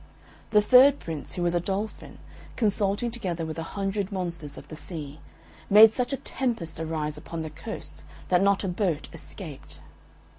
The third Prince, who was a Dolphin, consulting together with a hundred monsters of the sea, made such a tempest arise upon the coast that not a boat escaped.